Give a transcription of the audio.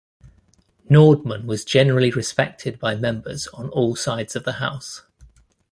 Nordman was generally respected by members on all sides of the house.